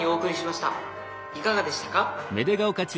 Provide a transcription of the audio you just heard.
いかがでしたか？